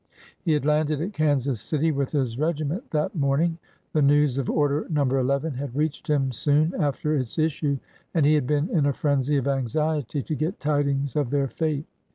He had landed at Kansas City with his regiment that morning. The news of Order No. ii had reached him soon after its issue, and he had been in a frenzy of anxiety to get tidings of their fate.